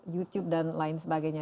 youtube dan lain sebagainya